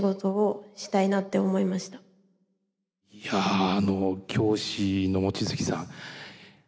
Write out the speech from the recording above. いやあの教師の望月さん